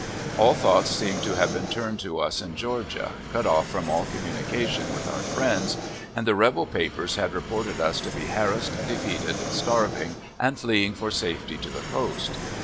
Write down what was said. All thoughts seemed to have been turned to us in Georgia, cut off from all communication with our friends; and the rebel papers had reported us to be harassed, defeated, starving, and fleeing for safety to the coast.